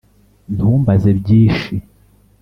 ntumbaze byishi